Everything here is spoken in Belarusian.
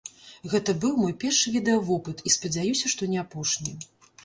Гэта быў мой першы відэавопыт і спадзяюся, што не апошні.